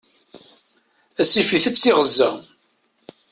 Asif itett tiɣezza.